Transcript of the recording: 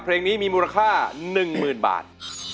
เพลงนี้มีมูลค่า๑๐๐๐บาท